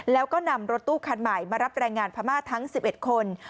แล้วก็นำรถตู้คันใหม่มารับแรงงานพม่าทั้ง๑๑คน